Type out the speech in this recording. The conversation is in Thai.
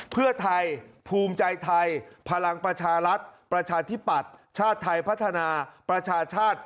เพื่อไทยภูมิใจไทยพลังประชารัฐประชาธิปัตย์ชาติไทยพัฒนาประชาชาติ